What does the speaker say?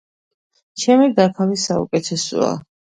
ჩემი დაქალი საუკეთესოა.